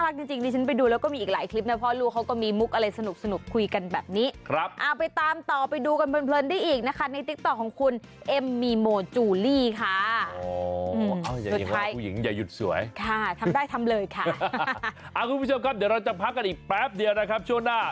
คุณผู้ชมครับเดี๋ยวเราจะพักกันอีกแป๊บเดียวนะครับช่วงหน้า